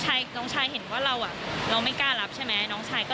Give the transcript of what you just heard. น้องชายเห็นว่าเราอ่ะเราไม่กล้ารับใช่ไหมน้องชายก็